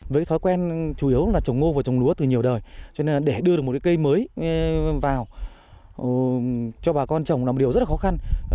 với thói quen chủ yếu là trồng ngô và trồng lúa từ nhiều đời cho nên để đưa được một cái cây mới vào cho bà con trồng là một điều rất là khó khăn